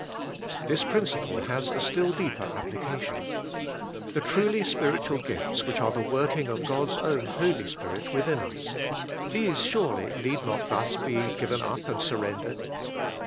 This principle has a still deeper application. The truly spiritual gifts which are the working of God's own Holy Spirit within us, — these surely need not be thus given up and surrendered?